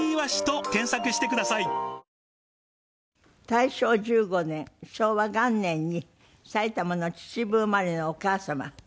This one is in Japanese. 大正１５年昭和元年に埼玉の秩父生まれのお母様。